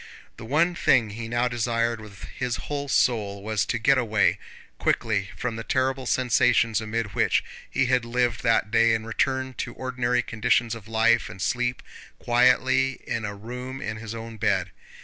The one thing he now desired with his whole soul was to get away quickly from the terrible sensations amid which he had lived that day and return to ordinary conditions of life and sleep quietly in a room in his own bed.